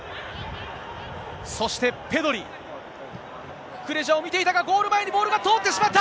そしてペドリ、ククレジャを見ていたが、ゴール前にボールが通ってしまった。